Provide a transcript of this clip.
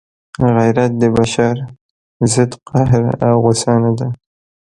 غیرت د بشر ضد قهر او غصه نه ده.